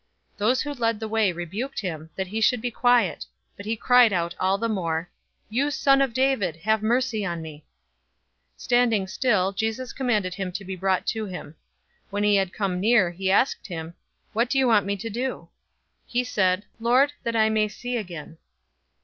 018:039 Those who led the way rebuked him, that he should be quiet; but he cried out all the more, "You son of David, have mercy on me!" 018:040 Standing still, Jesus commanded him to be brought to him. When he had come near, he asked him, 018:041 "What do you want me to do?" He said, "Lord, that I may see again."